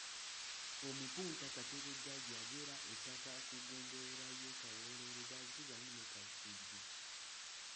Omupunta Kateregga yagera ettaka ku Ggombolola y'e Kawolo Lugazi wamu ne Kasujju.